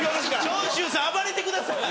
長州さん暴れてください！